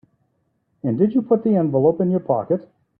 And did you put the envelope in your pocket?